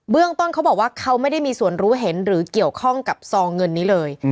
ต้นเขาบอกว่าเขาไม่ได้มีส่วนรู้เห็นหรือเกี่ยวข้องกับซองเงินนี้เลย